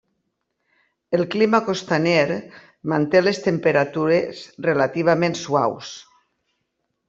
El clima costaner manté les temperatures relativament suaus.